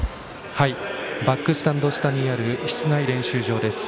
バックスタンド下にある室内練習場です。